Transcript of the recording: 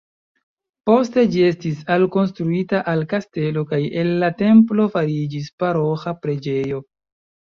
Poste ĝi estis alkonstruita al kastelo kaj el la templo fariĝis paroĥa preĝejo.